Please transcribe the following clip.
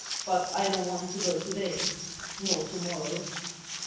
But I don't want to go to day, nor to morrow."